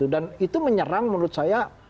dan itu menyerang menurut saya